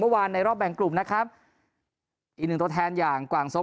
ในรอบแบ่งกลุ่มนะครับอีกหนึ่งตัวแทนอย่างกว่างซบ